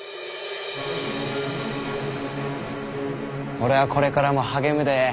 俺はこれからも励むで。